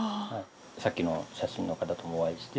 さっきの写真の方ともお会いして。